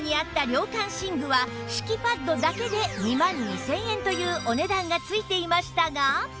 涼感寝具は敷きパッドだけで２万２０００円というお値段がついていましたが